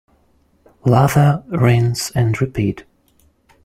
Lather, rinse and repeat.